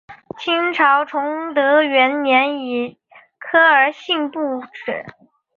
清朝崇德元年以科尔沁部置。